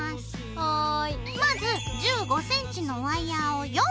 はい。